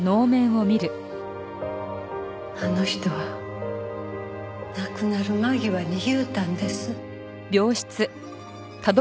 あの人は亡くなる間際に言うたんです。